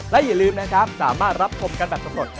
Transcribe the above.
และอย่าลืมนะครับสามารถรับชมกันแบบสำรวจ